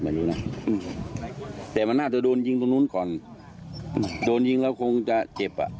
ไม่รู้นะอืมแต่มันน่าจะโดนยิงตรงนู้นก่อนโดนยิงแล้วคงจะเจ็บอ่ะ